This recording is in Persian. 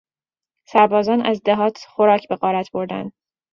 سربازان از دهات خوراک به غارت بردند.